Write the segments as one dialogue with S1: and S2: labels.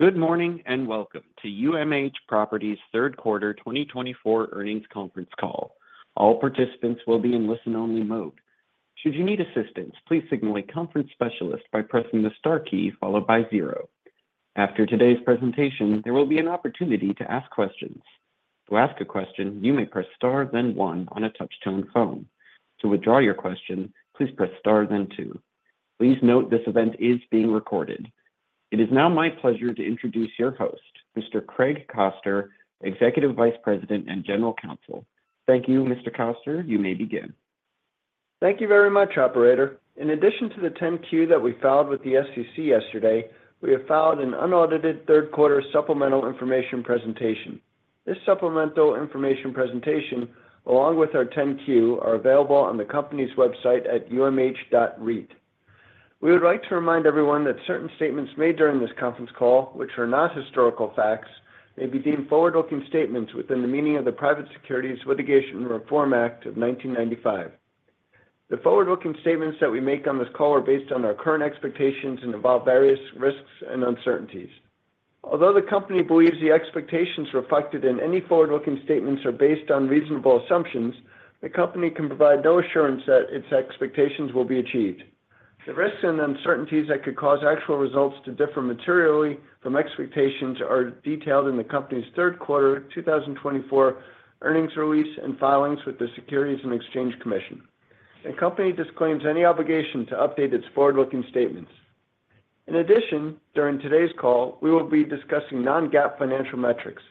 S1: Good morning and welcome to UMH Properties' Third Quarter 2024 Earnings Conference Call. All participants will be in listen-only mode. Should you need assistance, please signal a conference specialist by pressing the star key followed by zero. After today's presentation, there will be an opportunity to ask questions. To ask a question, you may press star then one on a touch-tone phone. To withdraw your question, please press star then two. Please note this event is being recorded. It is now my pleasure to introduce your host, Mr. Craig Koster, Executive Vice President and General Counsel. Thank you, Mr. Koster. You may begin.
S2: Thank you very much, Operator. In addition to the 10-Q that we filed with the SEC yesterday, we have filed an unaudited Third Quarter Supplemental Information Presentation. This supplemental information presentation, along with our 10-Q, is available on the company's website at umh.reit. We would like to remind everyone that certain statements made during this conference call, which are not historical facts, may be deemed forward-looking statements within the meaning of the Private Securities Litigation Reform Act of 1995. The forward-looking statements that we make on this call are based on our current expectations and involve various risks and uncertainties. Although the company believes the expectations reflected in any forward-looking statements are based on reasonable assumptions, the company can provide no assurance that its expectations will be achieved. The risks and uncertainties that could cause actual results to differ materially from expectations are detailed in the company's third quarter 2024 earnings release and filings with the Securities and Exchange Commission. The company disclaims any obligation to update its forward-looking statements. In addition, during today's call, we will be discussing non-GAAP financial metrics.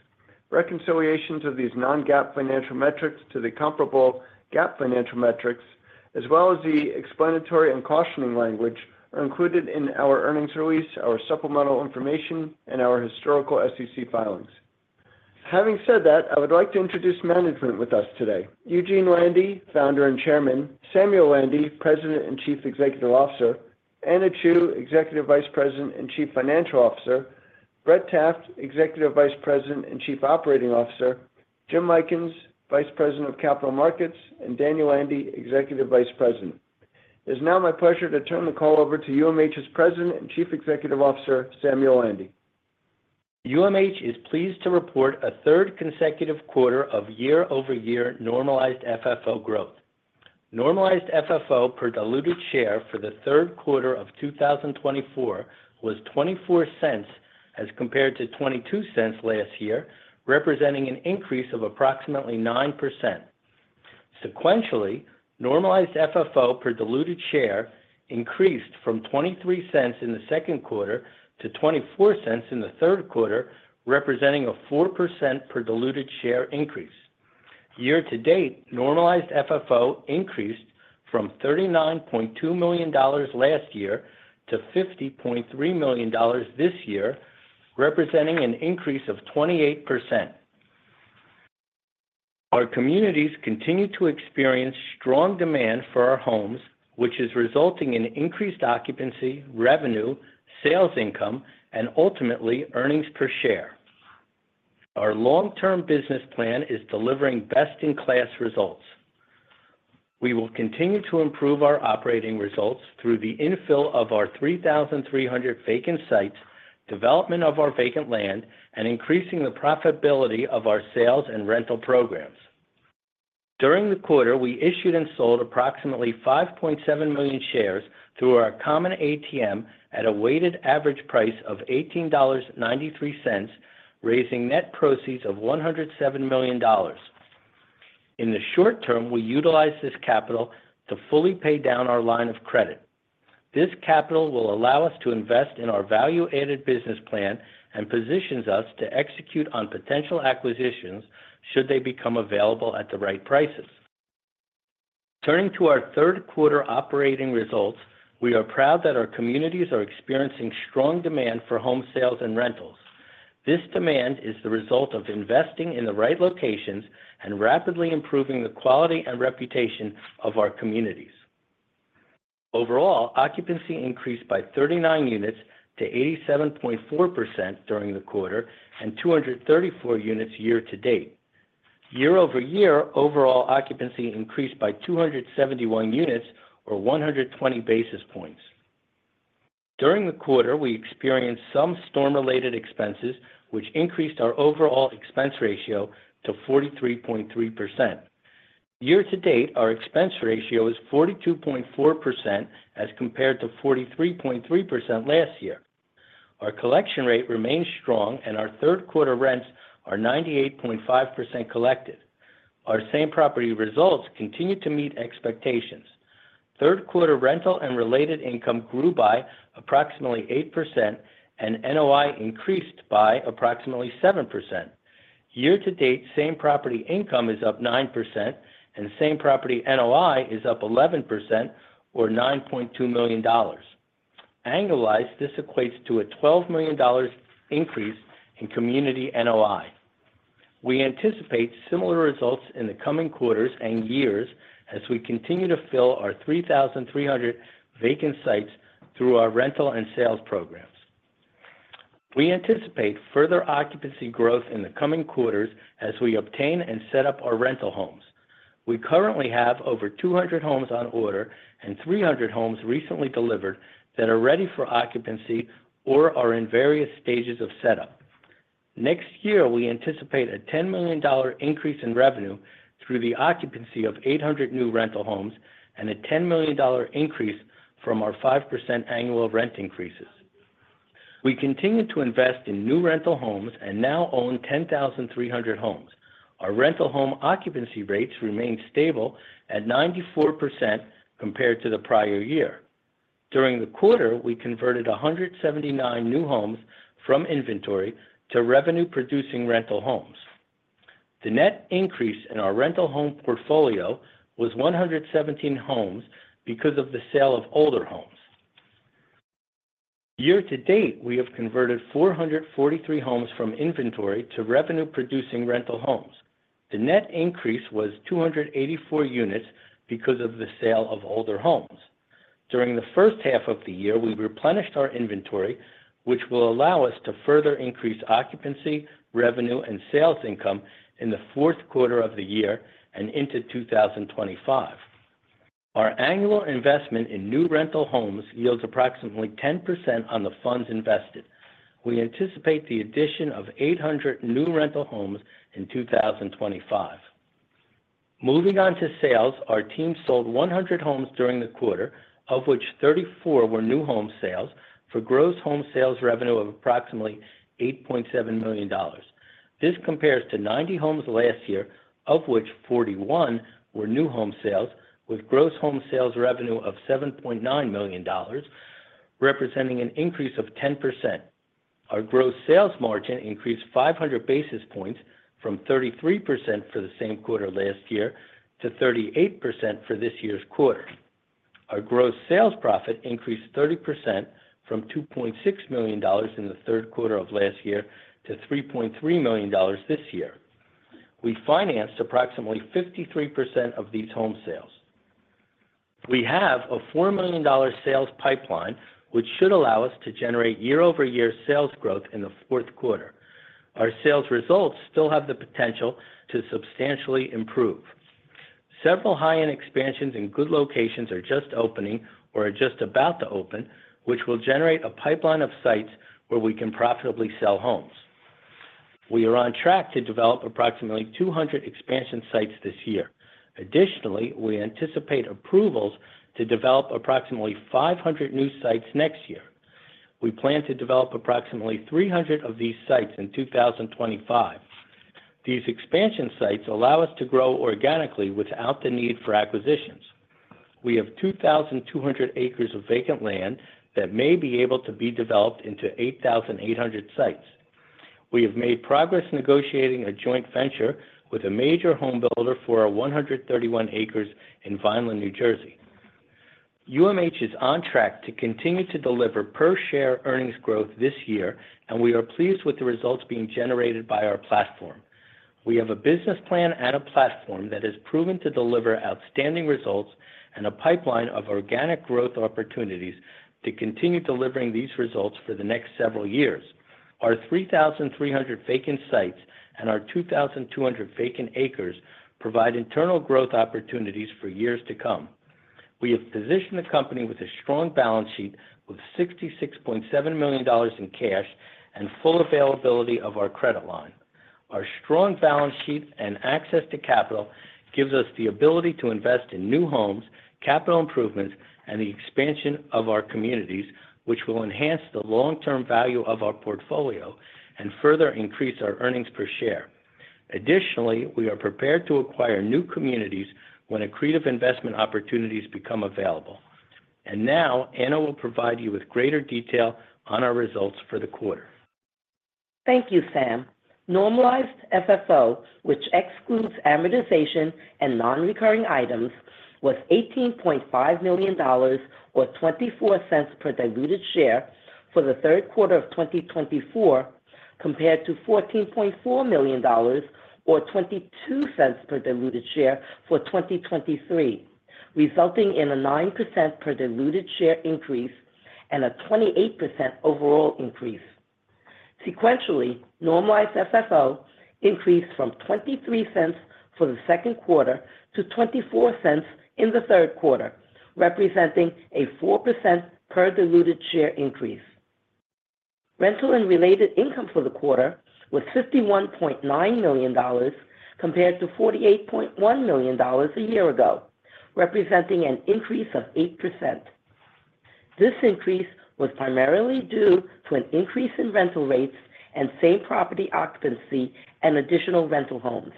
S2: Reconciliations of these non-GAAP financial metrics to the comparable GAAP financial metrics, as well as the explanatory and cautioning language, are included in our earnings release, our supplemental information, and our historical SEC filings. Having said that, I would like to introduce management with us today: Eugene Landy, Founder and Chairman, Samuel Landy, President and Chief Executive Officer, Anna Chew, Executive Vice President and Chief Financial Officer, Brett Taft, Executive Vice President and Chief Operating Officer, Jim Lykins, Vice President of Capital Markets, and Daniel Landy, Executive Vice President. It is now my pleasure to turn the call over to UMH's President and Chief Executive Officer, Samuel Landy.
S3: UMH is pleased to report a third consecutive quarter of year-over-year normalized FFO growth. Normalized FFO per diluted share for the third quarter of 2024 was $0.24 as compared to $0.22 last year, representing an increase of approximately 9%. Sequentially, normalized FFO per diluted share increased from $0.23 in the second quarter to $0.24 in the third quarter, representing a 4% per diluted share increase. Year-to-date, normalized FFO increased from $39.2 million last year to $50.3 million this year, representing an increase of 28%. Our communities continue to experience strong demand for our homes, which is resulting in increased occupancy, revenue, sales income, and ultimately earnings per share. Our long-term business plan is delivering best-in-class results. We will continue to improve our operating results through the infill of our 3,300 vacant sites, development of our vacant land, and increasing the profitability of our sales and rental programs. During the quarter, we issued and sold approximately 5.7 million shares through our common ATM at a weighted average price of $18.93, raising net proceeds of $107 million. In the short term, we utilize this capital to fully pay down our line of credit. This capital will allow us to invest in our value-added business plan and positions us to execute on potential acquisitions should they become available at the right prices. Turning to our third quarter operating results, we are proud that our communities are experiencing strong demand for home sales and rentals. This demand is the result of investing in the right locations and rapidly improving the quality and reputation of our communities. Overall, occupancy increased by 39 units to 87.4% during the quarter and 234 units year-to-date. Year-over-year, overall occupancy increased by 271 units or 120 basis points. During the quarter, we experienced some storm-related expenses, which increased our overall expense ratio to 43.3%. Year-to-date, our expense ratio is 42.4% as compared to 43.3% last year. Our collection rate remains strong, and our third quarter rents are 98.5% collected. Our same property results continue to meet expectations. Third quarter rental and related income grew by approximately 8%, and NOI increased by approximately 7%. Year-to-date, same property income is up 9%, and same property NOI is up 11% or $9.2 million. Annualized, this equates to a $12 million increase in community NOI. We anticipate similar results in the coming quarters and years as we continue to fill our 3,300 vacant sites through our rental and sales programs. We anticipate further occupancy growth in the coming quarters as we obtain and set up our rental homes. We currently have over 200 homes on order and 300 homes recently delivered that are ready for occupancy or are in various stages of setup. Next year, we anticipate a $10 million increase in revenue through the occupancy of 800 new rental homes and a $10 million increase from our 5% annual rent increases. We continue to invest in new rental homes and now own 10,300 homes. Our rental home occupancy rates remain stable at 94% compared to the prior year. During the quarter, we converted 179 new homes from inventory to revenue-producing rental homes. The net increase in our rental home portfolio was 117 homes because of the sale of older homes. Year-to-date, we have converted 443 homes from inventory to revenue-producing rental homes. The net increase was 284 units because of the sale of older homes. During the first half of the year, we replenished our inventory, which will allow us to further increase occupancy, revenue, and sales income in the fourth quarter of the year and into 2025. Our annual investment in new rental homes yields approximately 10% on the funds invested. We anticipate the addition of 800 new rental homes in 2025. Moving on to sales, our team sold 100 homes during the quarter, of which 34 were new home sales, for gross home sales revenue of approximately $8.7 million. This compares to 90 homes last year, of which 41 were new home sales, with gross home sales revenue of $7.9 million, representing an increase of 10%. Our gross sales margin increased 500 basis points from 33% for the same quarter last year to 38% for this year's quarter. Our gross sales profit increased 30% from $2.6 million in the third quarter of last year to $3.3 million this year. We financed approximately 53% of these home sales. We have a $4 million sales pipeline, which should allow us to generate year-over-year sales growth in the fourth quarter. Our sales results still have the potential to substantially improve. Several high-end expansions in good locations are just opening or are just about to open, which will generate a pipeline of sites where we can profitably sell homes. We are on track to develop approximately 200 expansion sites this year. Additionally, we anticipate approvals to develop approximately 500 new sites next year. We plan to develop approximately 300 of these sites in 2025. These expansion sites allow us to grow organically without the need for acquisitions. We have 2,200 acres of vacant land that may be able to be developed into 8,800 sites. We have made progress negotiating a joint venture with a major home builder for 131 acres in Vineland, New Jersey. UMH is on track to continue to deliver per-share earnings growth this year, and we are pleased with the results being generated by our platform. We have a business plan and a platform that has proven to deliver outstanding results and a pipeline of organic growth opportunities to continue delivering these results for the next several years. Our 3,300 vacant sites and our 2,200 vacant acres provide internal growth opportunities for years to come. We have positioned the company with a strong balance sheet with $66.7 million in cash and full availability of our credit line. Our strong balance sheet and access to capital give us the ability to invest in new homes, capital improvements, and the expansion of our communities, which will enhance the long-term value of our portfolio and further increase our earnings per share. Additionally, we are prepared to acquire new communities when accretive investment opportunities become available. And now, Anna will provide you with greater detail on our results for the quarter.
S4: Thank you, Sam. Normalized FFO, which excludes amortization and non-recurring items, was $18.5 million or $0.24 per diluted share for the third quarter of 2024, compared to $14.4 million or $0.22 per diluted share for 2023, resulting in a 9% per diluted share increase and a 28% overall increase. Sequentially, normalized FFO increased from $0.23 for the second quarter to $0.24 in the third quarter, representing a 4% per diluted share increase. Rental and related income for the quarter was $51.9 million compared to $48.1 million a year ago, representing an increase of 8%. This increase was primarily due to an increase in rental rates and same property occupancy and additional rental homes.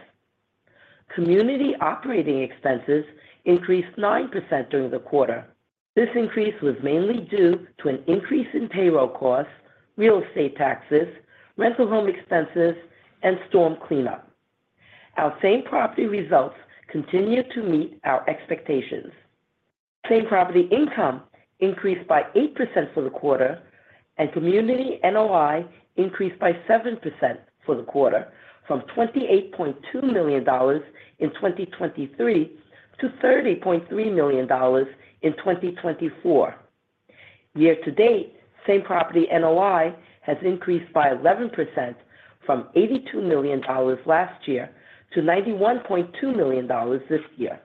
S4: Community operating expenses increased 9% during the quarter. This increase was mainly due to an increase in payroll costs, real estate taxes, rental home expenses, and storm cleanup. Our same property results continue to meet our expectations. Same property income increased by 8% for the quarter, and community NOI increased by 7% for the quarter, from $28.2 million in 2023 to $30.3 million in 2024. Year-to-date, same property NOI has increased by 11% from $82 million last year to $91.2 million this year.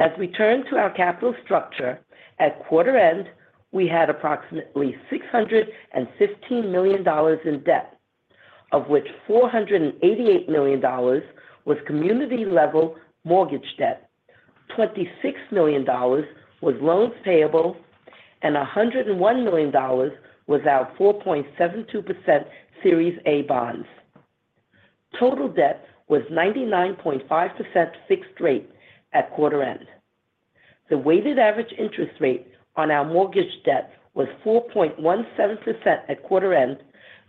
S4: As we turn to our capital structure, at quarter end, we had approximately $615 million in debt, of which $488 million was community-level mortgage debt, $26 million was loans payable, and $101 million was our 4.72% Series A Bonds. Total debt was 99.5% fixed rate at quarter end. The weighted average interest rate on our mortgage debt was 4.17% at quarter end,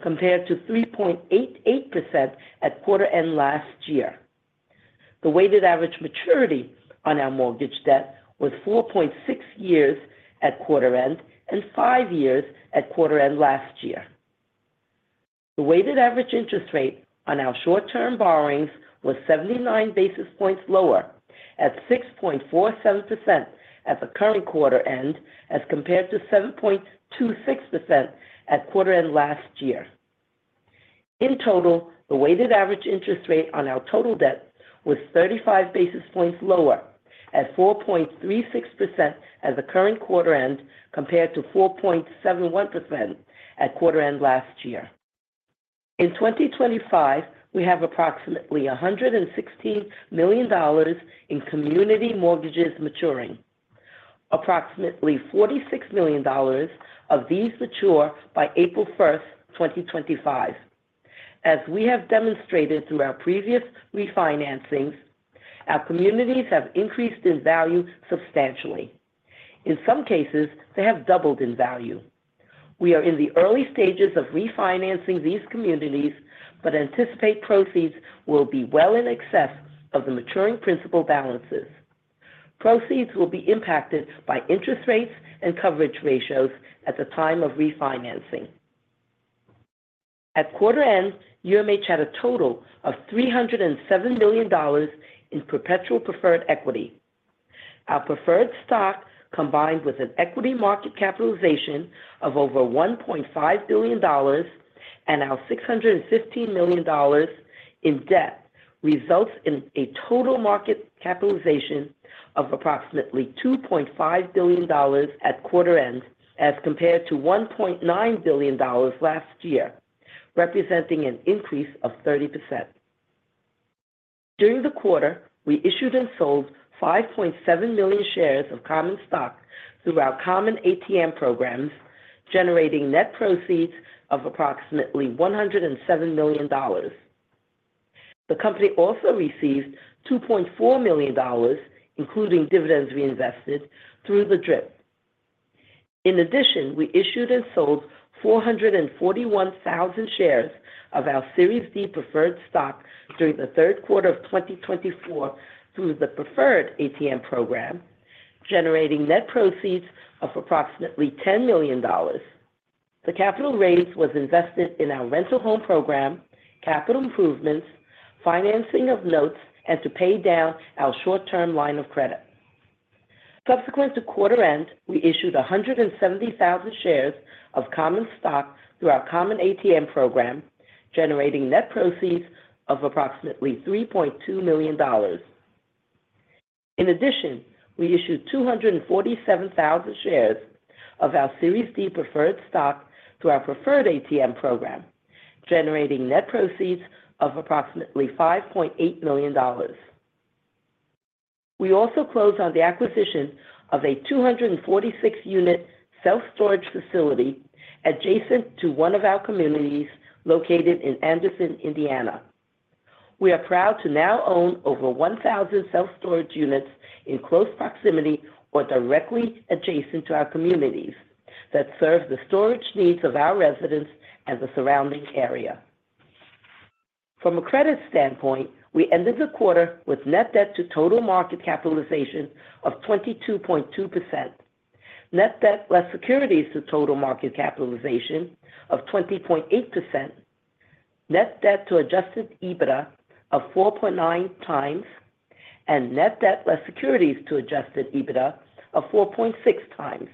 S4: compared to 3.88% at quarter end last year. The weighted average maturity on our mortgage debt was 4.6 years at quarter end and 5 years at quarter end last year. The weighted average interest rate on our short-term borrowings was 79 basis points lower at 6.47% at the current quarter end, as compared to 7.26% at quarter end last year. In total, the weighted average interest rate on our total debt was 35 basis points lower at 4.36% at the current quarter end, compared to 4.71% at quarter end last year. In 2025, we have approximately $116 million in community mortgages maturing. Approximately $46 million of these mature by April 1st, 2025. As we have demonstrated through our previous refinancings, our communities have increased in value substantially. In some cases, they have doubled in value. We are in the early stages of refinancing these communities, but anticipate proceeds will be well in excess of the maturing principal balances. Proceeds will be impacted by interest rates and coverage ratios at the time of refinancing. At quarter end, UMH had a total of $307 million in perpetual preferred equity. Our preferred stock, combined with an equity market capitalization of over $1.5 billion and our $615 million in debt, results in a total market capitalization of approximately $2.5 billion at quarter end, as compared to $1.9 billion last year, representing an increase of 30%. During the quarter, we issued and sold 5.7 million shares of Common Stock through our Common ATM programs, generating net proceeds of approximately $107 million. The company also received $2.4 million, including dividends reinvested, through the DRIP. In addition, we issued and sold 441,000 shares of our Series D Preferred Stock during the third quarter of 2024 through the preferred ATM program, generating net proceeds of approximately $10 million. The capital raised was invested in our rental home program, capital improvements, financing of notes, and to pay down our short-term line of credit. Subsequent to quarter end, we issued 170,000 shares of Common Stock through our Common ATM program, generating net proceeds of approximately $3.2 million. In addition, we issued 247,000 shares of our Series D Preferred Stock through our preferred ATM program, generating net proceeds of approximately $5.8 million. We also closed on the acquisition of a 246-unit self-storage facility adjacent to one of our communities located in Anderson, Indiana. We are proud to now own over 1,000 self-storage units in close proximity or directly adjacent to our communities that serve the storage needs of our residents and the surrounding area. From a credit standpoint, we ended the quarter with net debt to total market capitalization of 22.2%, net debt less securities to total market capitalization of 20.8%, net debt to Adjusted EBITDA of 4.9 times, and net debt less securities to Adjusted EBITDA of 4.6 times.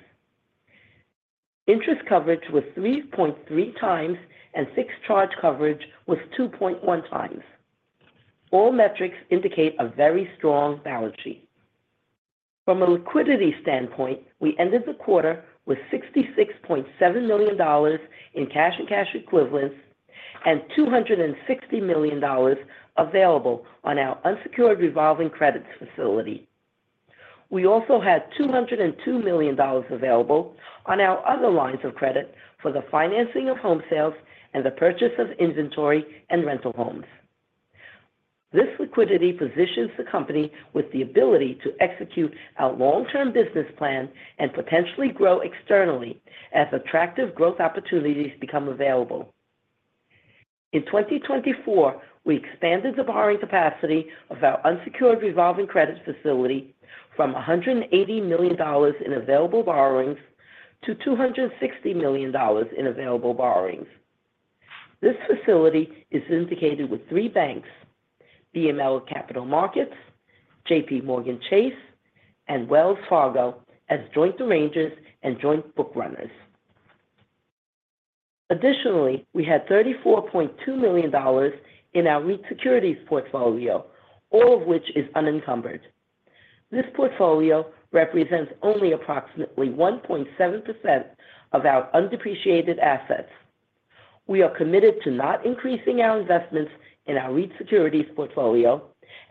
S4: Interest coverage was 3.3 times, and fixed charge coverage was 2.1 times. All metrics indicate a very strong balance sheet. From a liquidity standpoint, we ended the quarter with $66.7 million in cash and cash equivalents and $260 million available on our unsecured revolving credit facility. We also had $202 million available on our other lines of credit for the financing of home sales and the purchase of inventory and rental homes. This liquidity positions the company with the ability to execute our long-term business plan and potentially grow externally as attractive growth opportunities become available. In 2024, we expanded the borrowing capacity of our unsecured revolving credit facility from $180 million in available borrowings to $260 million in available borrowings. This facility is syndicated with three banks: BMO Capital Markets, JPMorgan Chase, and Wells Fargo as joint arrangers and joint bookrunners. Additionally, we had $34.2 million in our REIT securities portfolio, all of which is unencumbered. This portfolio represents only approximately 1.7% of our undepreciated assets. We are committed to not increasing our investments in our REIT securities portfolio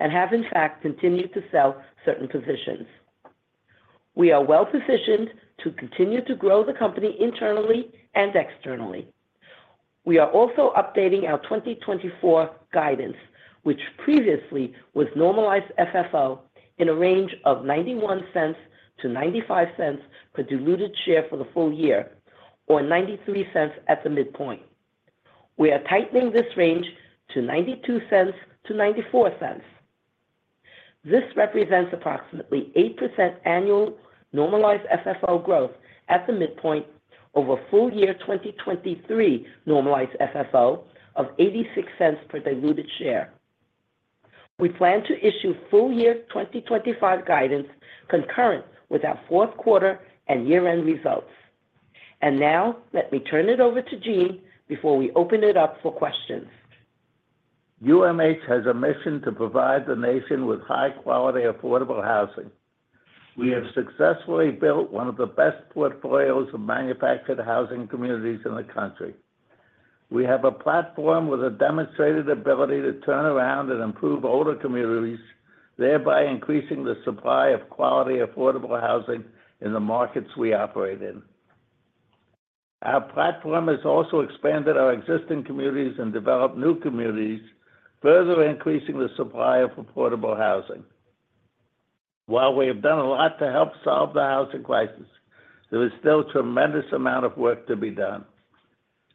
S4: and have, in fact, continued to sell certain positions. We are well-positioned to continue to grow the company internally and externally. We are also updating our 2024 guidance, which previously was normalized FFO in a range of $0.91-$0.95 per diluted share for the full year, or $0.93 at the midpoint. We are tightening this range to $0.92-$0.94. This represents approximately 8% annual normalized FFO growth at the midpoint over full year 2023 normalized FFO of $0.86 per diluted share. We plan to issue full year 2025 guidance concurrent with our fourth quarter and year-end results. And now, let me turn it over to Gene before we open it up for questions.
S5: UMH has a mission to provide the nation with high-quality, affordable housing. We have successfully built one of the best portfolios of manufactured housing communities in the country. We have a platform with a demonstrated ability to turn around and improve older communities, thereby increasing the supply of quality, affordable housing in the markets we operate in. Our platform has also expanded our existing communities and developed new communities, further increasing the supply of affordable housing. While we have done a lot to help solve the housing crisis, there is still a tremendous amount of work to be done.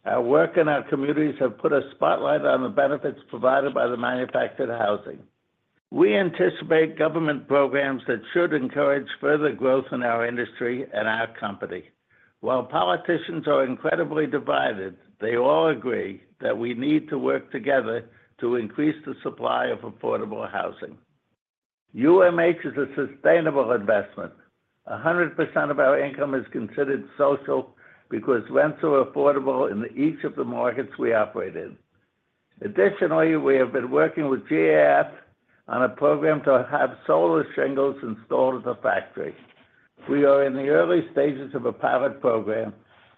S5: Our work in our communities has put a spotlight on the benefits provided by the manufactured housing. We anticipate government programs that should encourage further growth in our industry and our company. While politicians are incredibly divided, they all agree that we need to work together to increase the supply of affordable housing. UMH is a sustainable investment. 100% of our income is considered social because rents are affordable in each of the markets we operate in. Additionally, we have been working with GAF on a program to have solar shingles installed at the factory. We are in the early stages of a pilot program,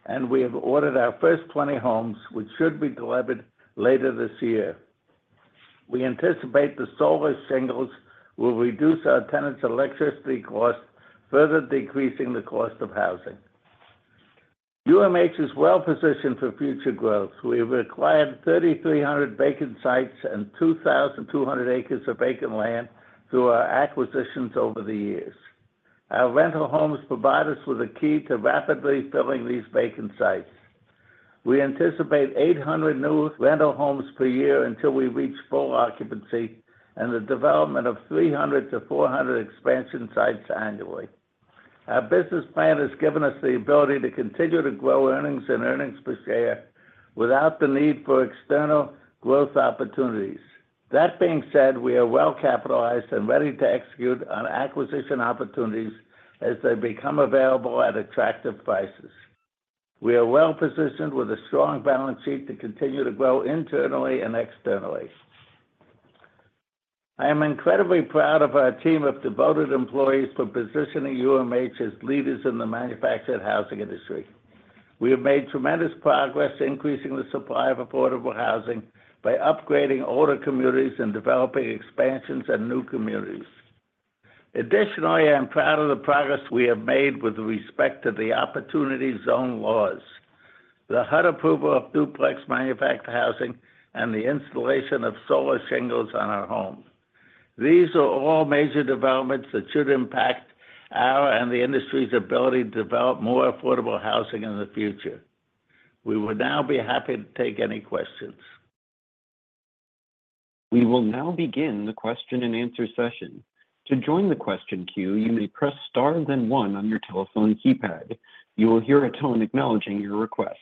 S5: and we have ordered our first 20 homes, which should be delivered later this year. We anticipate the solar shingles will reduce our tenants' electricity cost, further decreasing the cost of housing. UMH is well-positioned for future growth. We have acquired 3,300 vacant sites and 2,200 acres of vacant land through our acquisitions over the years. Our rental homes provide us with a key to rapidly filling these vacant sites. We anticipate 800 new rental homes per year until we reach full occupancy and the development of 300-400 expansion sites annually. Our business plan has given us the ability to continue to grow earnings and earnings per share without the need for external growth opportunities. That being said, we are well-capitalized and ready to execute on acquisition opportunities as they become available at attractive prices. We are well-positioned with a strong balance sheet to continue to grow internally and externally. I am incredibly proud of our team of devoted employees for positioning UMH as leaders in the manufactured housing industry. We have made tremendous progress increasing the supply of affordable housing by upgrading older communities and developing expansions and new communities. Additionally, I am proud of the progress we have made with respect to the Opportunity Zone laws, the HUD approval of duplex manufactured housing, and the installation of solar shingles on our homes. These are all major developments that should impact our and the industry's ability to develop more affordable housing in the future. We would now be happy to take any questions.
S1: We will now begin the question-and-answer session. To join the question queue, you may press star then one on your telephone keypad. You will hear a tone acknowledging your request.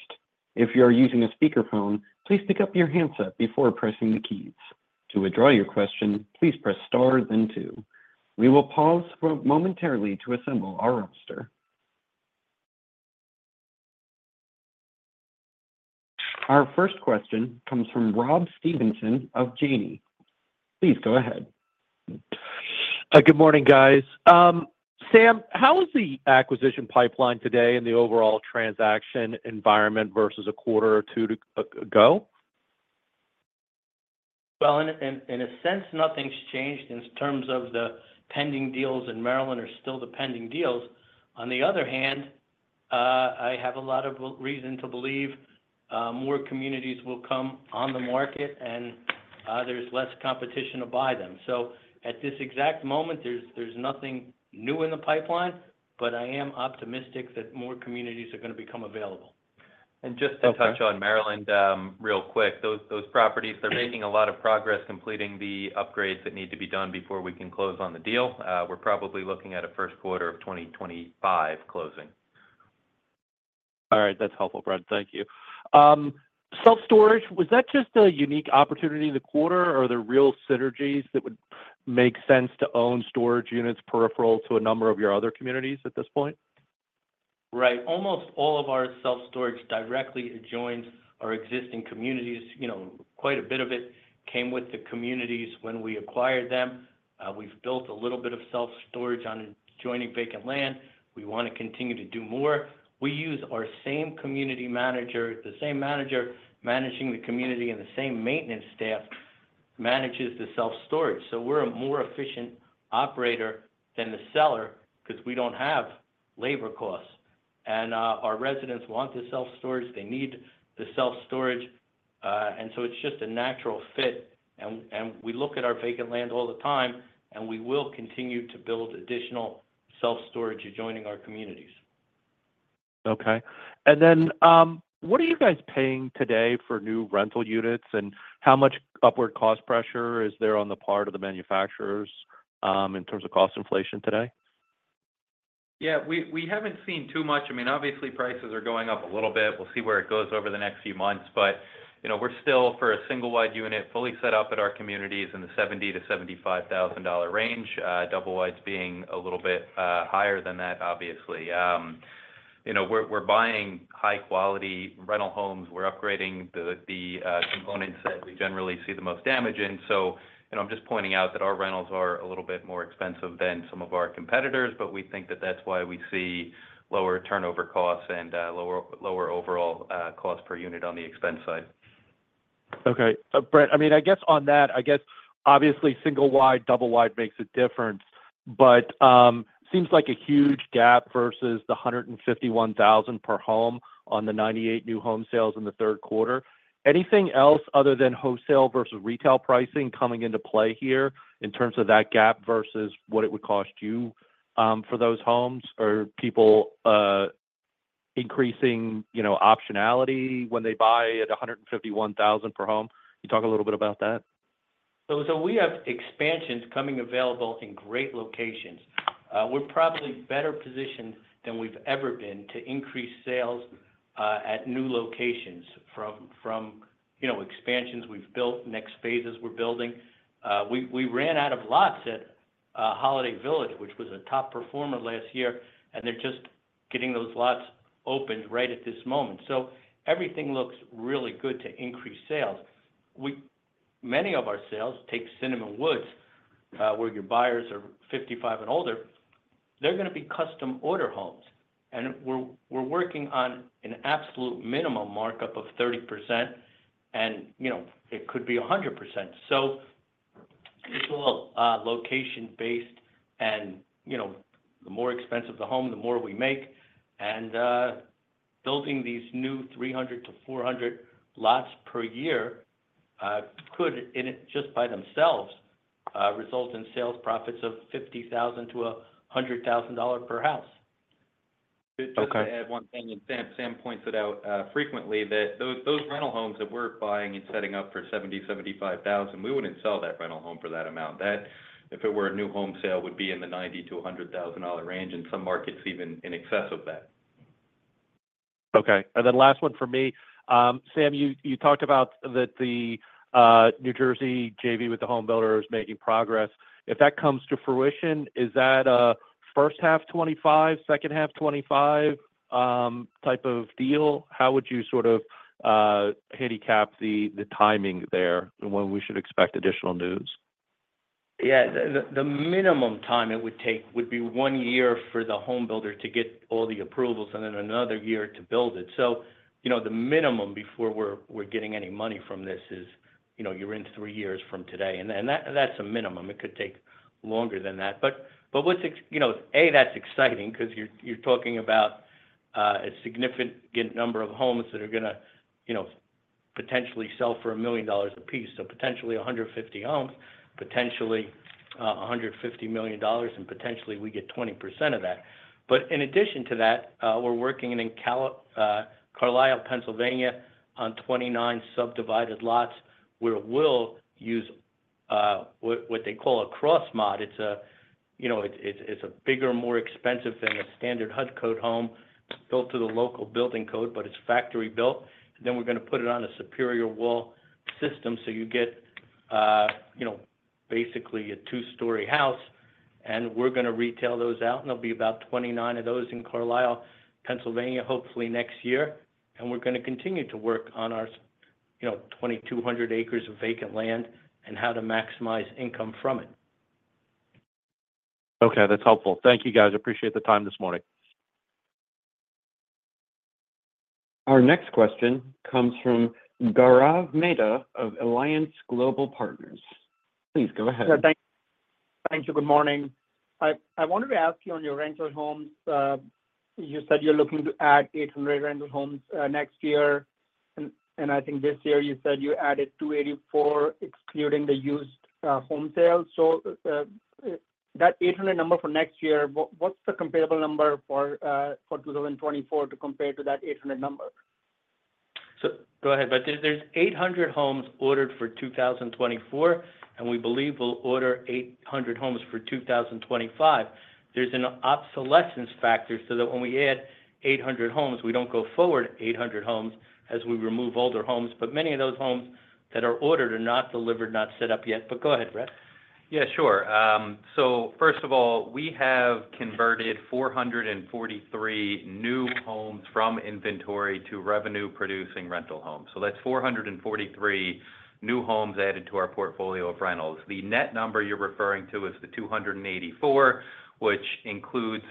S1: If you are using a speakerphone, please pick up your handset before pressing the keys. To withdraw your question, please press star then two. We will pause momentarily to assemble our roster. Our first question comes from Rob Stevenson of Janney. Please go ahead.
S6: Good morning, guys. Sam, how is the acquisition pipeline today and the overall transaction environment versus a quarter or two ago?
S3: In a sense, nothing's changed in terms of the pending deals, and Maryland deals are still the pending deals. On the other hand, I have a lot of reason to believe more communities will come on the market, and there's less competition to buy them. So at this exact moment, there's nothing new in the pipeline, but I am optimistic that more communities are going to become available.
S7: Just to touch on Maryland real quick, those properties, they're making a lot of progress completing the upgrades that need to be done before we can close on the deal. We're probably looking at a first quarter of 2025 closing.
S6: All right. That's helpful, Brett. Thank you. Self-storage, was that just a unique opportunity in the quarter, or are there real synergies that would make sense to own storage units peripheral to a number of your other communities at this point?
S3: Right. Almost all of our self-storage directly adjoins our existing communities. Quite a bit of it came with the communities when we acquired them. We've built a little bit of self-storage on adjoining vacant land. We want to continue to do more. We use our same community manager, the same manager managing the community, and the same maintenance staff manages the self-storage. So we're a more efficient operator than the seller because we don't have labor costs. And our residents want the self-storage. They need the self-storage. And so it's just a natural fit. And we look at our vacant land all the time, and we will continue to build additional self-storage adjoining our communities.
S6: Okay, and then what are you guys paying today for new rental units, and how much upward cost pressure is there on the part of the manufacturers in terms of cost inflation today?
S7: Yeah. We haven't seen too much. I mean, obviously, prices are going up a little bit. We'll see where it goes over the next few months. But we're still, for a single-wide unit, fully set up at our communities in the $70,000-$75,000 range, double-wides being a little bit higher than that, obviously. We're buying high-quality rental homes. We're upgrading the components that we generally see the most damage in. So I'm just pointing out that our rentals are a little bit more expensive than some of our competitors, but we think that that's why we see lower turnover costs and lower overall cost per unit on the expense side.
S6: Okay. Brett, I mean, I guess on that, I guess, obviously, single-wide, double-wide makes a difference, but it seems like a huge gap versus the $151,000 per home on the 98 new home sales in the third quarter. Anything else other than wholesale versus retail pricing coming into play here in terms of that gap versus what it would cost you for those homes or people increasing optionality when they buy at $151,000 per home? Can you talk a little bit about that?
S3: We have expansions coming available in great locations. We're probably better positioned than we've ever been to increase sales at new locations from expansions we've built, next phases we're building. We ran out of lots at Holiday Village, which was a top performer last year, and they're just getting those lots opened right at this moment. Everything looks really good to increase sales. Many of our sales take Cinnamon Woods, where your buyers are 55 and older. They're going to be custom-order homes. We're working on an absolute minimum markup of 30%, and it could be 100%. It's all location-based, and the more expensive the home, the more we make. Building these new 300-400 lots per year could, just by themselves, result in sales profits of $50,000-$100,000 per house.
S7: Just to add one thing, Sam points it out frequently that those rental homes that we're buying and setting up for $70,000, $75,000, we wouldn't sell that rental home for that amount. That, if it were a new home sale, would be in the $90,000-$100,000 range, and some markets even in excess of that.
S6: Okay. And then last one for me. Sam, you talked about that the New Jersey JV with the home builders making progress. If that comes to fruition, is that a first half 2025, second half 2025 type of deal? How would you sort of handicap the timing there and when we should expect additional news?
S3: Yeah. The minimum time it would take would be one year for the home builder to get all the approvals and then another year to build it. So the minimum before we're getting any money from this is you're in three years from today. And that's a minimum. It could take longer than that. But A, that's exciting because you're talking about a significant number of homes that are going to potentially sell for a million dollars a piece. So potentially 150 homes, potentially $150 million, and potentially we get 20% of that. But in addition to that, we're working in Carlisle, Pennsylvania, on 29 subdivided lots where we'll use what they call a CrossMod. It's a bigger, more expensive than a standard HUD Code home built to the local building code, but it's factory built. We're going to put it on a Superior Walls system so you get basically a two-story house. We're going to retail those out, and there'll be about 29 of those in Carlisle, Pennsylvania, hopefully next year. We're going to continue to work on our 2,200 acres of vacant land and how to maximize income from it.
S6: Okay. That's helpful. Thank you, guys. Appreciate the time this morning.
S1: Our next question comes from Gaurav Mehta of Alliance Global Partners. Please go ahead.
S8: Thank you. Good morning. I wanted to ask you on your rental homes. You said you're looking to add 800 rental homes next year. And I think this year you said you added 284 excluding the used home sales. So that 800 number for next year, what's the comparable number for 2024 to compare to that 800 number?
S3: So go ahead. But there's 800 homes ordered for 2024, and we believe we'll order 800 homes for 2025. There's an obsolescence factor so that when we add 800 homes, we don't go forward 800 homes as we remove older homes. But many of those homes that are ordered are not delivered, not set up yet. But go ahead, Brett.
S7: Yeah, sure, so first of all, we have converted 443 new homes from inventory to revenue-producing rental homes, so that's 443 new homes added to our portfolio of rentals. The net number you're referring to is the 284, which includes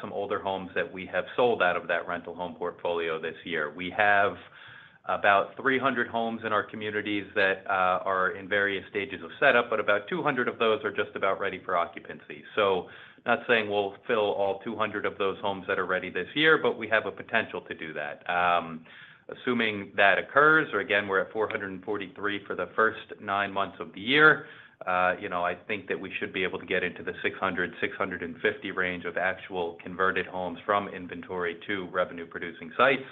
S7: some older homes that we have sold out of that rental home portfolio this year. We have about 300 homes in our communities that are in various stages of setup, but about 200 of those are just about ready for occupancy, so not saying we'll fill all 200 of those homes that are ready this year, but we have a potential to do that. Assuming that occurs, or again, we're at 443 for the first nine months of the year, I think that we should be able to get into the 600-650 range of actual converted homes from inventory to revenue-producing sites.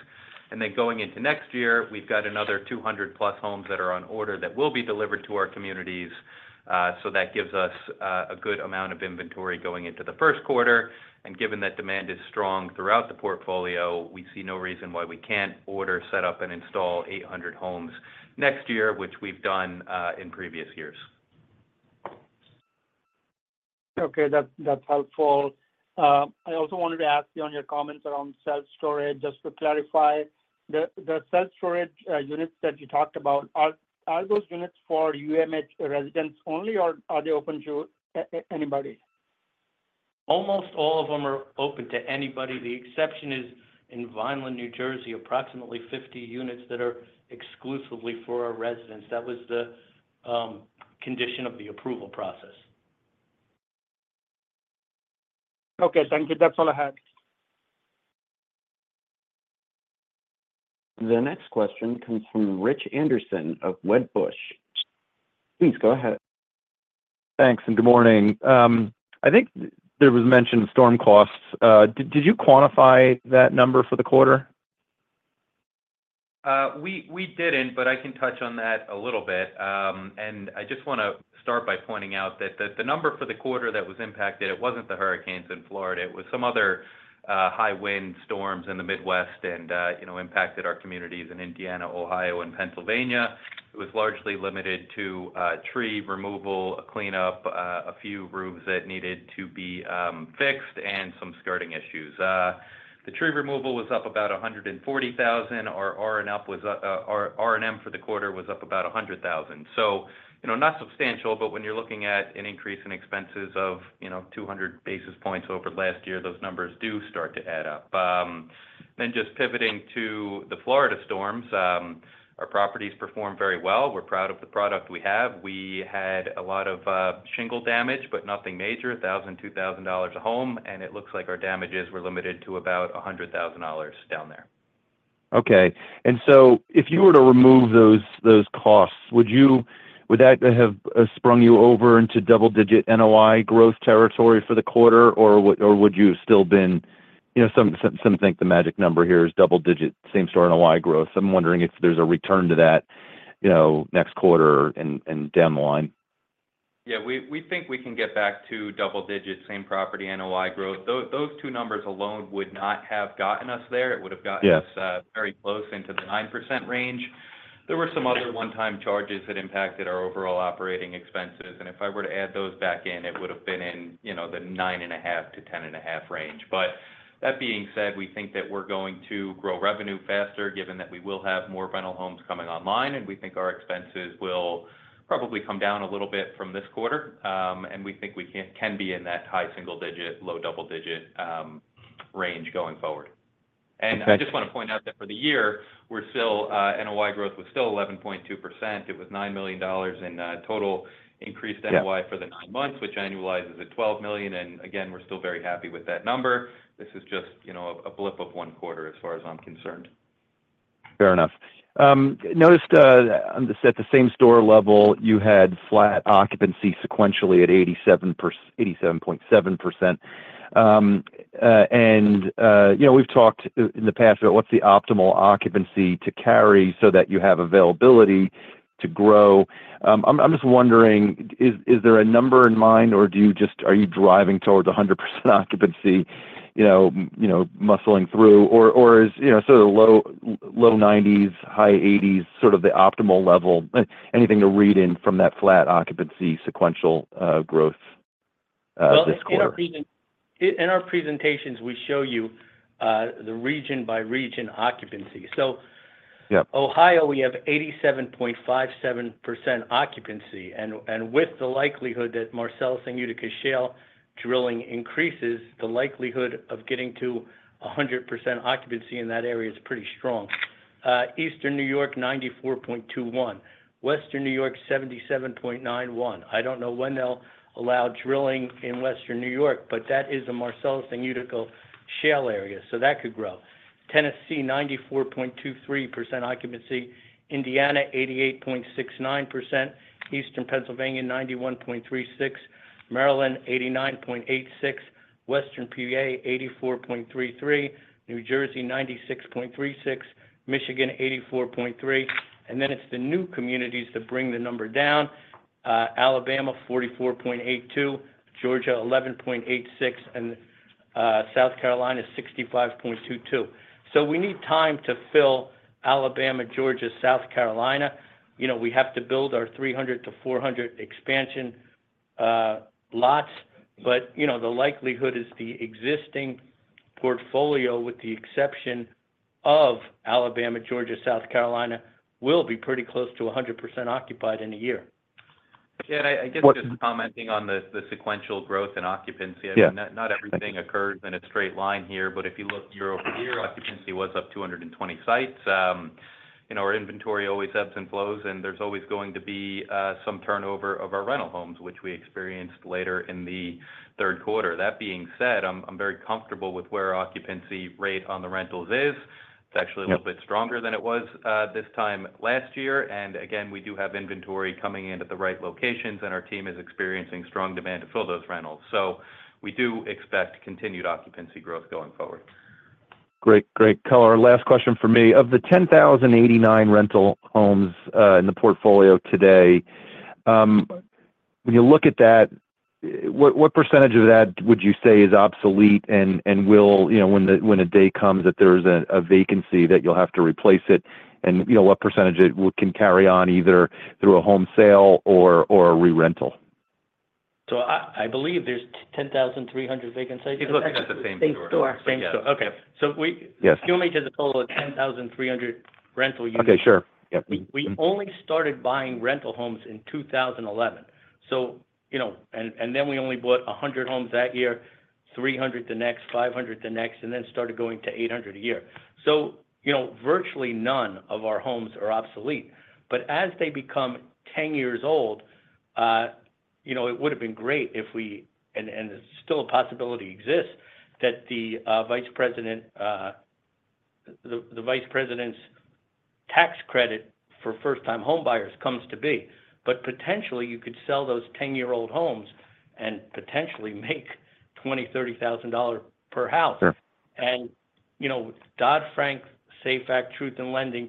S7: And then going into next year, we've got another 200+ homes that are on order that will be delivered to our communities. So that gives us a good amount of inventory going into the first quarter. And given that demand is strong throughout the portfolio, we see no reason why we can't order, set up, and install 800 homes next year, which we've done in previous years.
S8: Okay. That's helpful. I also wanted to ask you on your comments around self-storage, just to clarify. The self-storage units that you talked about, are those units for UMH residents only, or are they open to anybody?
S3: Almost all of them are open to anybody. The exception is in Vineland, New Jersey, approximately 50 units that are exclusively for our residents. That was the condition of the approval process.
S8: Okay. Thank you. That's all I had.
S1: The next question comes from Rich Anderson of Wedbush. Please go ahead.
S9: Thanks. And good morning. I think there was mention of storm costs. Did you quantify that number for the quarter?
S7: We didn't, but I can touch on that a little bit. I just want to start by pointing out that the number for the quarter that was impacted, it wasn't the hurricanes in Florida. It was some other high wind storms in the Midwest and impacted our communities in Indiana, Ohio, and Pennsylvania. It was largely limited to tree removal, cleanup, a few roofs that needed to be fixed, and some skirting issues. The tree removal was up about $140,000. Our R&M for the quarter was up about $100,000. Not substantial, but when you're looking at an increase in expenses of 200 basis points over last year, those numbers do start to add up. Just pivoting to the Florida storms, our properties performed very well. We're proud of the product we have. We had a lot of shingle damage, but nothing major, $1,000-$2,000 a home. It looks like our damages were limited to about $100,000 down there.
S9: Okay. And so if you were to remove those costs, would that have sprung you over into double-digit NOI growth territory for the quarter, or would you have still been? I think the magic number here is double-digit, same store NOI growth. I'm wondering if there's a return to that next quarter and down the line.
S7: Yeah. We think we can get back to double-digit, same property NOI growth. Those two numbers alone would not have gotten us there. It would have gotten us very close into the 9% range. There were some other one-time charges that impacted our overall operating expenses. And if I were to add those back in, it would have been in the 9.5%-10.5% range. But that being said, we think that we're going to grow revenue faster given that we will have more rental homes coming online, and we think our expenses will probably come down a little bit from this quarter. And we think we can be in that high single-digit, low double-digit range going forward. And I just want to point out that for the year, NOI growth was still 11.2%. It was $9 million in total increased NOI for the nine months, which annualizes at $12 million. And again, we're still very happy with that number. This is just a blip of one quarter as far as I'm concerned.
S9: Fair enough. Noticed that at the same store level, you had flat occupancy sequentially at 87.7%, and we've talked in the past about what's the optimal occupancy to carry so that you have availability to grow. I'm just wondering, is there a number in mind, or are you driving towards 100% occupancy muscling through, or is sort of low 90s, high 80s sort of the optimal level? Anything to read in from that flat occupancy sequential growth this quarter?
S3: In our presentations, we show you the region-by-region occupancy. So Ohio, we have 87.57% occupancy. And with the likelihood that Marcellus and Utica Shale drilling increases, the likelihood of getting to 100% occupancy in that area is pretty strong. Eastern New York, 94.21%. Western New York, 77.91%. I don't know when they'll allow drilling in Western New York, but that is the Marcellus and Utica Shale area, so that could grow. Tennessee, 94.23% occupancy. Indiana, 88.69%. Eastern Pennsylvania, 91.36%. Maryland, 89.86%. Western PA, 84.33%. New Jersey, 96.36%. Michigan, 84.3%. And then it's the new communities that bring the number down. Alabama, 44.82%. Georgia, 11.86%. And South Carolina, 65.22%. So we need time to fill Alabama, Georgia, South Carolina. We have to build our 300-400 expansion lots, but the likelihood is the existing portfolio with the exception of Alabama, Georgia, South Carolina will be pretty close to 100% occupied in a year.
S7: Yeah. I guess just commenting on the sequential growth and occupancy. Not everything occurs in a straight line here, but if you look year-over-year, occupancy was up 220 sites. Our inventory always ebbs and flows, and there's always going to be some turnover of our rental homes, which we experienced later in the third quarter. That being said, I'm very comfortable with where our occupancy rate on the rentals is. It's actually a little bit stronger than it was this time last year. And again, we do have inventory coming in at the right locations, and our team is experiencing strong demand to fill those rentals. So we do expect continued occupancy growth going forward.
S9: Great. Great. Our last question for me. Of the 10,089 rental homes in the portfolio today, when you look at that, what percentage of that would you say is obsolete and will, when a day comes that there's a vacancy that you'll have to replace it, and what percentage can carry on either through a home sale or a re-rental?
S3: I believe there's 10,300 vacant sites. I think that's the same store.
S7: Same store. Okay. So we do need to follow a 10,300 rental unit.
S9: Okay. Sure. Yeah.
S3: We only started buying rental homes in 2011, and then we only bought 100 homes that year, 300 the next, 500 the next, and then started going to 800 a year, so virtually none of our homes are obsolete, but as they become 10 years old, it would have been great if we, and it's still a possibility, exists that the Vice President's tax credit for first-time homebuyers comes to be, but potentially, you could sell those 10-year-old homes and potentially make $20,000-$30,000 per house, and Dodd-Frank SAFE Act Truth in Lending,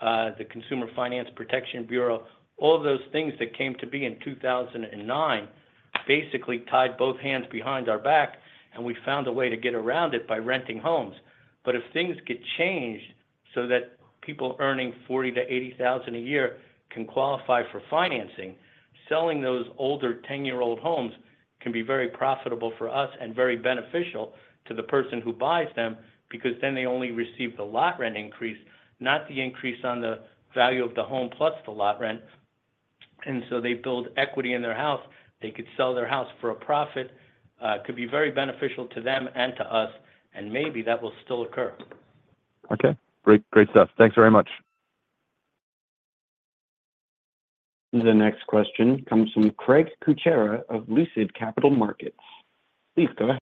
S3: the Consumer Financial Protection Bureau, all of those things that came to be in 2009 basically tied both hands behind our back, and we found a way to get around it by renting homes. If things get changed so that people earning $40,000-$80,000 a year can qualify for financing, selling those older 10-year-old homes can be very profitable for us and very beneficial to the person who buys them because then they only receive the lot rent increase, not the increase on the value of the home plus the lot rent. And so they build equity in their house. They could sell their house for a profit. It could be very beneficial to them and to us, and maybe that will still occur.
S9: Okay. Great stuff. Thanks very much.
S1: The next question comes from Craig Kucera of Lucid Capital Markets. Please go ahead.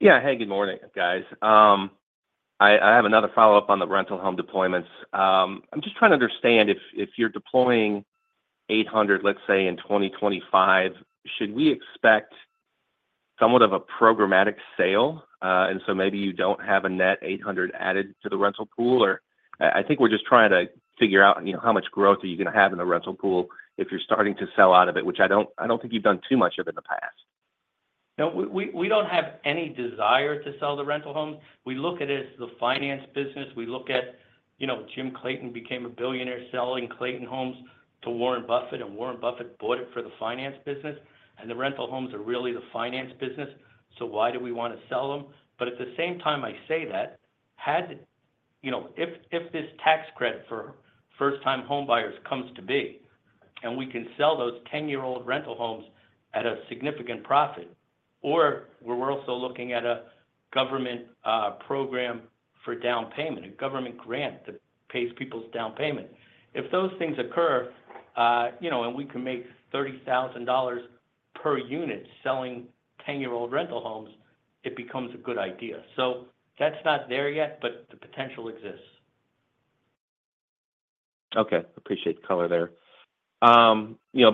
S10: Yeah. Hey, good morning, guys. I have another follow-up on the rental home deployments. I'm just trying to understand if you're deploying 800, let's say, in 2025, should we expect somewhat of a programmatic sale? And so maybe you don't have a net 800 added to the rental pool, or I think we're just trying to figure out how much growth are you going to have in the rental pool if you're starting to sell out of it, which I don't think you've done too much of in the past.
S3: No, we don't have any desire to sell the rental homes. We look at it as the finance business. We look at Jim Clayton became a billionaire selling Clayton Homes to Warren Buffett, and Warren Buffett bought it for the finance business, and the rental homes are really the finance business, so why do we want to sell them, but at the same time, I say that if this tax credit for first-time homebuyers comes to be and we can sell those 10-year-old rental homes at a significant profit, or we're also looking at a government program for down payment, a government grant that pays people's down payment. If those things occur and we can make $30,000 per unit selling 10-year-old rental homes, it becomes a good idea, so that's not there yet, but the potential exists.
S10: Okay. Appreciate the color there.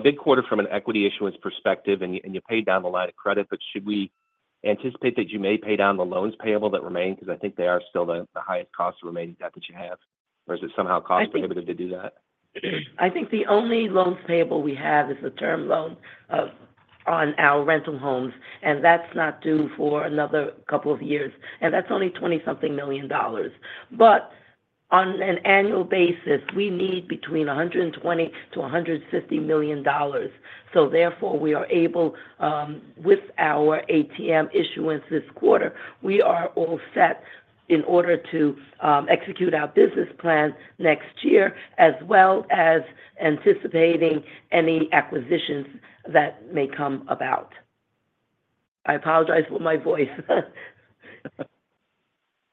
S10: Big quarter from an equity issuance perspective, and you paid down the line of credit, but should we anticipate that you may pay down the loans payable that remain? Because I think they are still the highest cost of remaining debt that you have. Or is it somehow cost-prohibitive to do that?
S4: I think the only loans payable we have is the term loan on our rental homes, and that's not due for another couple of years. That's only $20-something million. On an annual basis, we need between $120 million-$150 million. Therefore, we are able, with our ATM issuance this quarter, we are all set in order to execute our business plan next year as well as anticipating any acquisitions that may come about. I apologize for my voice.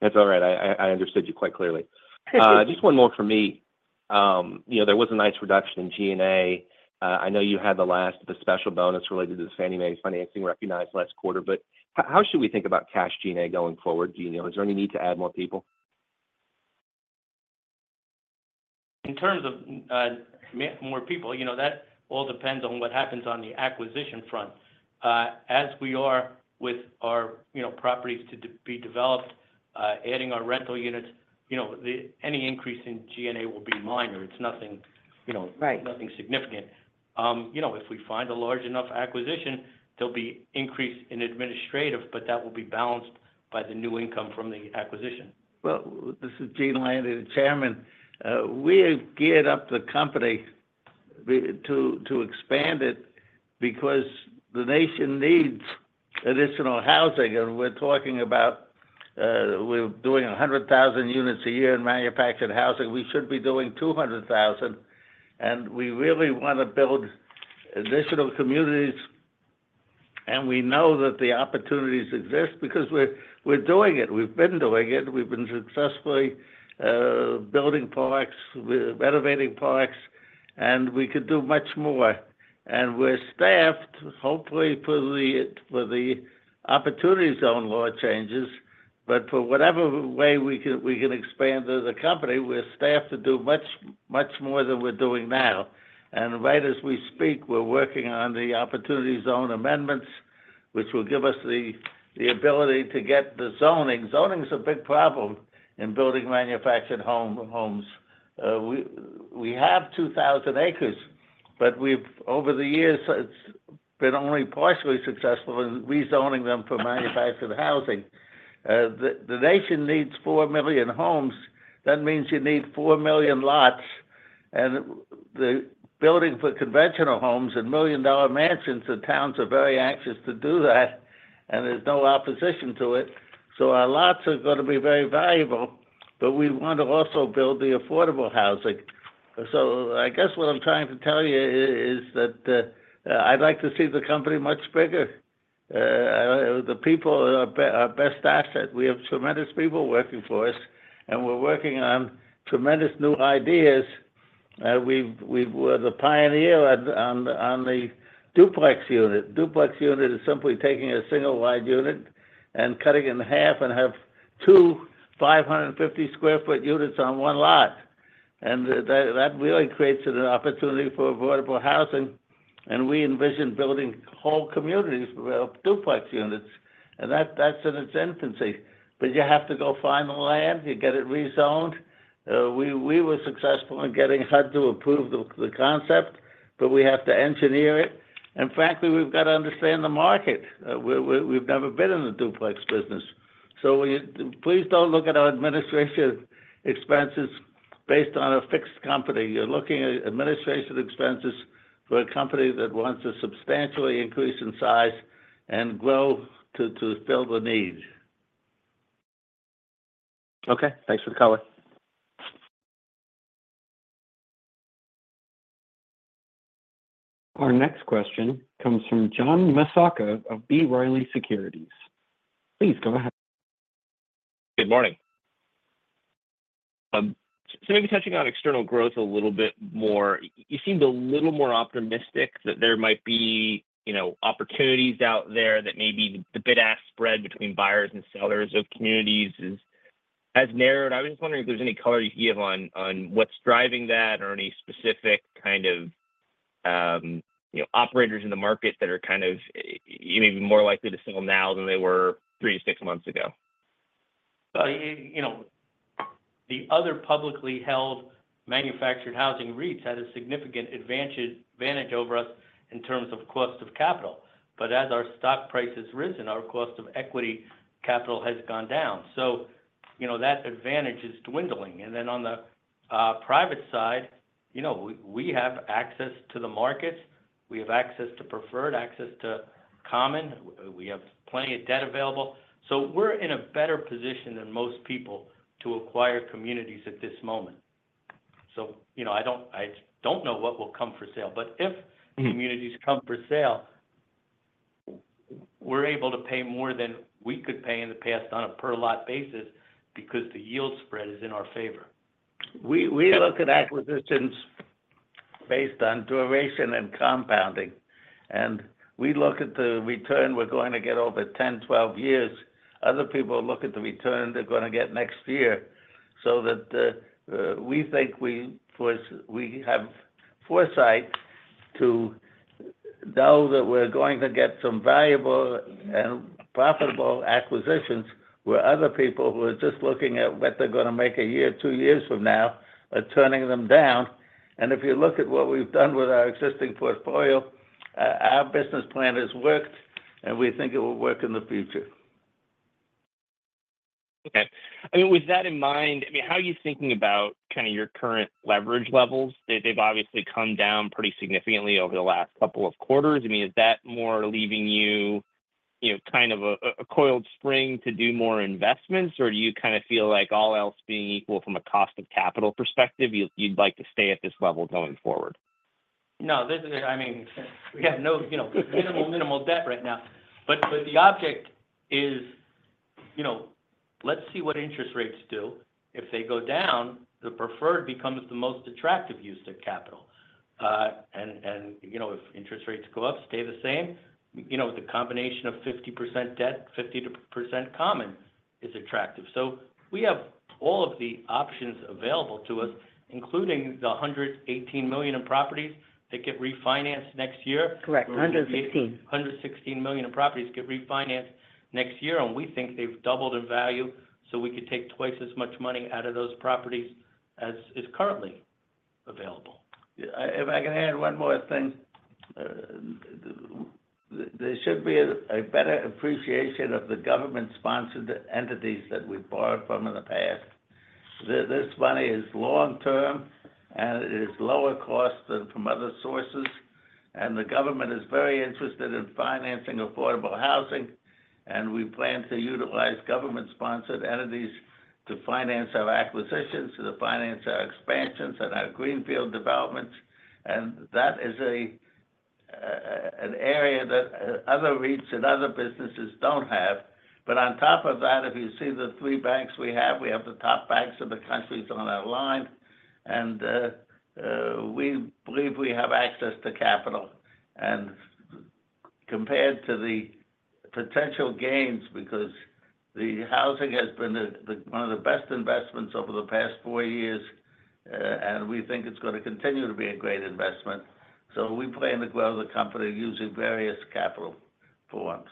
S10: That's all right. I understood you quite clearly. Just one more from me. There was a nice reduction in G&A. I know you had the last special bonus related to the Fannie Mae financing recognized last quarter, but how should we think about cash G&A going forward? Is there any need to add more people?
S3: In terms of more people, that all depends on what happens on the acquisition front. As we are with our properties to be developed, adding our rental units, any increase in G&A will be minor. It's nothing significant. If we find a large enough acquisition, there'll be an increase in administrative, but that will be balanced by the new income from the acquisition.
S5: This is Gene Landy, the chairman. We have geared up the company to expand it because the nation needs additional housing. We're talking about we're doing 100,000 units a year in manufactured housing. We should be doing 200,000. We really want to build additional communities. We know that the opportunities exist because we're doing it. We've been doing it. We've been successfully building parks, renovating parks, and we could do much more. We're staffed, hopefully, for the Opportunity Zone law changes. But for whatever way we can expand the company, we're staffed to do much more than we're doing now. Right as we speak, we're working on the Opportunity Zone amendments, which will give us the ability to get the zoning. Zoning is a big problem in building manufactured homes. We have 2,000 acres, but over the years, it's been only partially successful in rezoning them for manufactured housing. The nation needs 4 million homes. That means you need 4 million lots. And the building for conventional homes and million-dollar mansions that towns are very anxious to do that, and there's no opposition to it. So our lots are going to be very valuable, but we want to also build the affordable housing. So I guess what I'm trying to tell you is that I'd like to see the company much bigger. The people are our best asset. We have tremendous people working for us, and we're working on tremendous new ideas. We were the pioneer on the duplex unit. Duplex unit is simply taking a single-wide unit and cutting it in half and have two 550-sq ft units on one lot. And that really creates an opportunity for affordable housing. And we envision building whole communities of duplex units. And that's in its infancy. But you have to go find the land. You get it rezoned. We were successful in getting HUD to approve the concept, but we have to engineer it. And frankly, we've got to understand the market. We've never been in the duplex business. So please don't look at our administration expenses based on a fixed company. You're looking at administration expenses for a company that wants to substantially increase in size and grow to fill the need.
S10: Okay. Thanks for the color.
S1: Our next question comes from John Massocca of B. Riley Securities. Please go ahead.
S11: Good morning. So maybe touching on external growth a little bit more, you seemed a little more optimistic that there might be opportunities out there that maybe the bid-ask spread between buyers and sellers of communities has narrowed. I was just wondering if there's any color you can give on what's driving that or any specific kind of operators in the market that are kind of maybe more likely to sell now than they were 3-6 months ago.
S3: The other publicly held manufactured housing REITs had a significant advantage over us in terms of cost of capital. But as our stock price has risen, our cost of equity capital has gone down. So that advantage is dwindling. And then on the private side, we have access to the markets. We have access to preferred, access to common. We have plenty of debt available. So we're in a better position than most people to acquire communities at this moment. So I don't know what will come for sale. But if communities come for sale, we're able to pay more than we could pay in the past on a per-lot basis because the yield spread is in our favor.
S5: We look at acquisitions based on duration and compounding, and we look at the return we're going to get over 10-12 years. Other people look at the return they're going to get next year, so we think we have foresight to know that we're going to get some valuable and profitable acquisitions where other people who are just looking at what they're going to make a year, two years from now are turning them down, and if you look at what we've done with our existing portfolio, our business plan has worked, and we think it will work in the future.
S11: Okay. I mean, with that in mind, I mean, how are you thinking about kind of your current leverage levels? They've obviously come down pretty significantly over the last couple of quarters. I mean, is that more leaving you kind of a coiled spring to do more investments, or do you kind of feel like all else being equal from a cost of capital perspective, you'd like to stay at this level going forward?
S3: No. I mean, we have minimal, minimal debt right now. But the objective is let's see what interest rates do. If they go down, the preferred becomes the most attractive use of capital. And if interest rates go up, stay the same. The combination of 50% debt, 50% common is attractive. So we have all of the options available to us, including the $118 million in properties that get refinanced next year.
S4: Correct. $116 million.
S3: $116 million in properties get refinanced next year, and we think they've doubled in value. So we could take twice as much money out of those properties as is currently available.
S5: If I can add one more thing, there should be a better appreciation of the government-sponsored entities that we've borrowed from in the past. This money is long-term, and it is lower cost than from other sources. And the government is very interested in financing affordable housing. And we plan to utilize government-sponsored entities to finance our acquisitions, to finance our expansions and our greenfield developments. And that is an area that other REITs and other businesses don't have. But on top of that, if you see the three banks we have, we have the top banks of the country on our line. And we believe we have access to capital. And compared to the potential gains, because the housing has been one of the best investments over the past four years, and we think it's going to continue to be a great investment. We plan to grow the company using various capital forms.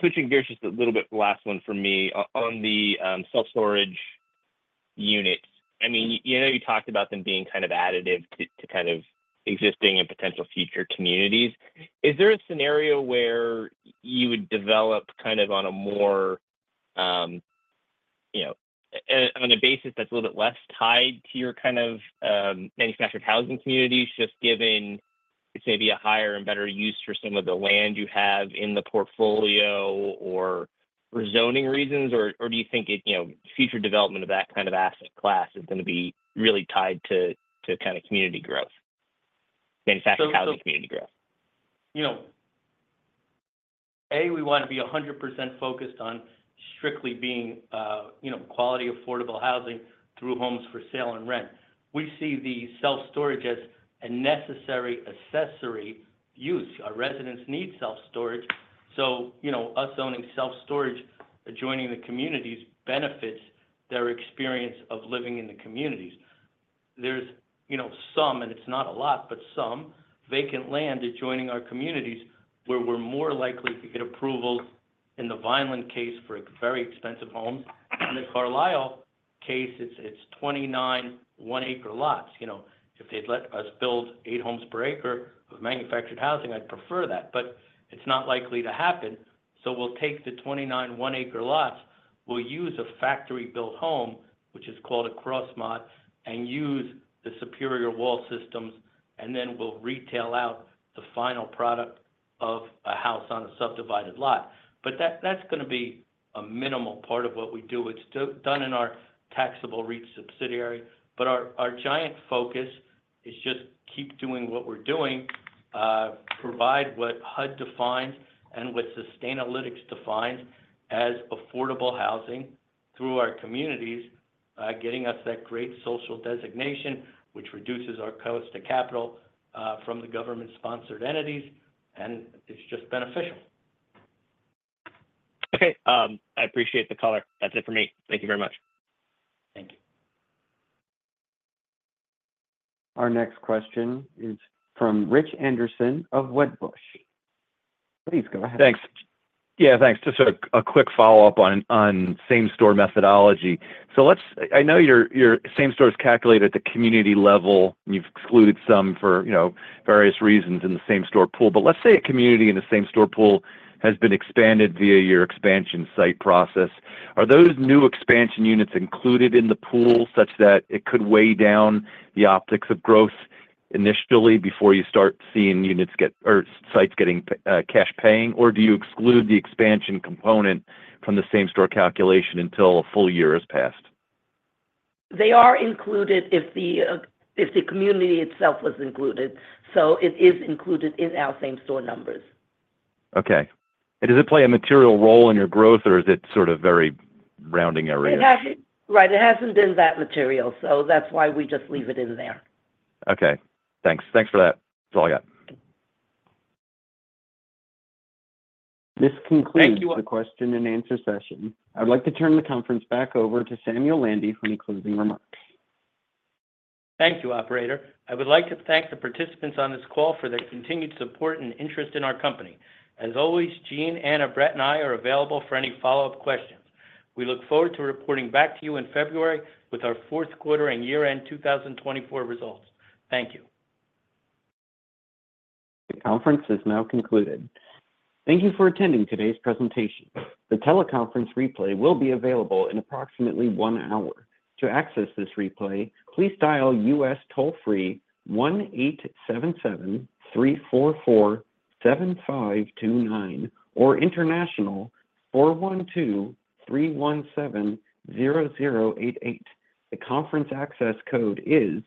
S11: Switching gears just a little bit, last one from me on the self-storage units. I mean, you know you talked about them being kind of additive to kind of existing and potential future communities. Is there a scenario where you would develop kind of on a more basis that's a little bit less tied to your kind of manufactured housing communities, just given it's maybe a higher and better use for some of the land you have in the portfolio or for zoning reasons? Or do you think future development of that kind of asset class is going to be really tied to kind of community growth, manufactured housing community growth?
S3: We want to be 100% focused on strictly being quality affordable housing through homes for sale and rent. We see the self-storage as a necessary accessory use. Our residents need self-storage. So us owning self-storage, adjoining the communities benefits their experience of living in the communities. There's some, and it's not a lot, but some vacant land adjoining our communities where we're more likely to get approvals in the Vineland case for very expensive homes. In the Carlisle case, it's 29 one-acre lots. If they'd let us build eight homes per acre of manufactured housing, I'd prefer that. But it's not likely to happen. So we'll take the 29 one-acre lots. We'll use a factory-built home, which is called a CrossMod, and use the Superior Walls system. And then we'll retail out the final product of a house on a subdivided lot. But that's going to be a minimal part of what we do. It's done in our taxable REIT subsidiary. But our giant focus is just keep doing what we're doing, provide what HUD defines and what Sustainalytics defines as affordable housing through our communities, getting us that great social designation, which reduces our cost of capital from the government-sponsored entities. And it's just beneficial.
S11: Okay. I appreciate the color. That's it for me. Thank you very much.
S3: Thank you.
S1: Our next question is from Rich Anderson of Wedbush. Please go ahead.
S9: Thanks. Yeah, thanks. Just a quick follow-up on same-store methodology. So I know your same-store is calculated at the community level. You've excluded some for various reasons in the same-store pool. But let's say a community in the same-store pool has been expanded via your expansion site process. Are those new expansion units included in the pool such that it could weigh down the optics of growth initially before you start seeing units or sites getting cash paying? Or do you exclude the expansion component from the same-store calculation until a full year has passed?
S4: They are included if the community itself was included, so it is included in our same-store numbers.
S9: Okay, and does it play a material role in your growth, or is it sort of very rounding areas?
S4: Right. It hasn't been that material. So that's why we just leave it in there.
S9: Okay. Thanks. Thanks for that. That's all I got.
S1: This concludes the question-and-answer session. I'd like to turn the conference back over to Samuel Landy for any closing remarks.
S3: Thank you, operator. I would like to thank the participants on this call for their continued support and interest in our company. As always, Gene, Anna, Brett, and I are available for any follow-up questions. We look forward to reporting back to you in February with our fourth quarter and year-end 2024 results. Thank you.
S1: The conference is now concluded. Thank you for attending today's presentation. The teleconference replay will be available in approximately one hour. To access this replay, please dial U.S. toll-free 1-877-344-7529 or international 412-317-0088. The conference access code is.